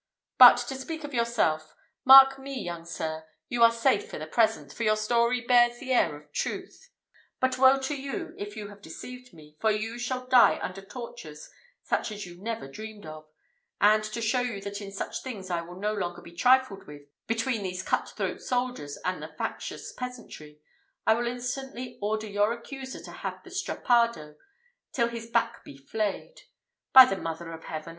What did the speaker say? But to speak of yourself; mark me, young sir, you are safe for the present, for your story bears the air of truth; but woe to you if you have deceived me, for you shall die under tortures such as you never dreamed of; and to show you that in such things I will no longer be trifled with between these cut throat soldiers and the factious peasantry, I will instantly order your accuser to have the strappado till his back be flayed. By the Mother of Heaven!